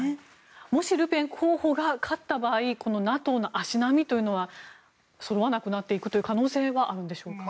もしルペン候補が勝った場合このＮＡＴＯの足並みというのはそろわなくなっていく可能性はあるんでしょうか。